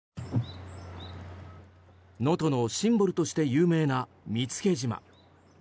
能登のシンボルとして有名な見附島。